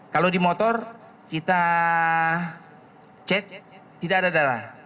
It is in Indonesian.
kalau di motor kita cek tidak ada darah